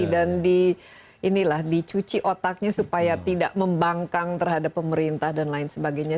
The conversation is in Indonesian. dan dicuci otaknya supaya tidak membangkang terhadap pemerintah dan lain sebagainya